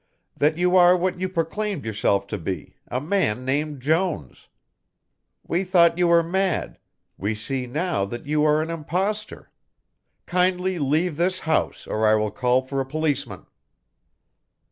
That you are what you proclaimed yourself to be, a man named Jones. We thought you were mad, we see now that you are an impostor. Kindly leave this house or I will call for a policeman."